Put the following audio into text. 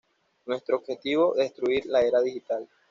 Nuestro objetivo: Destruir la era digital.